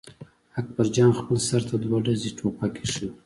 اکبر جان خپل سر ته دوه ډزي ټوپک اېښی و.